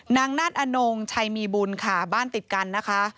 นาฏอนงชัยมีบุญค่ะบ้านติดกันนะคะ